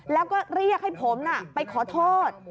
แล้วก็เรียกให้ผมไปขอโทษ